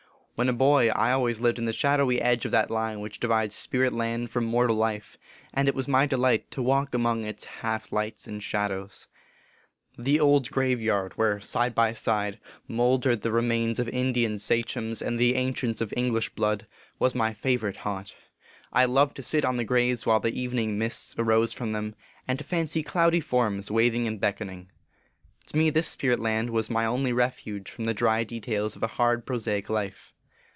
When a boy, I always lived in the shadowy edge of that line which divides spirit land from mortal life, and it was my delight to walk among its half lights and shadows. The old graveyard where, side by side, mouldered the remains of Indian sachems and the ancients of English blood, was my favorite haunt. I loved to sit on the graves while the evening mists firose from them, and to fancy cloudy forms waving and beckoning. To me, this spirit land was my only refuge from the dry details of a hard, prosaic life.